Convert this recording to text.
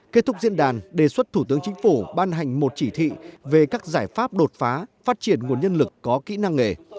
kết thúc diễn đàn đề xuất thủ tướng chính phủ ban hành một chỉ thị về các giải pháp đột phá phát triển nguồn nhân lực có kỹ năng nghề